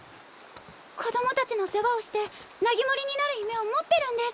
子どもたちの世話をしてナギモリになる夢を持ってるんです。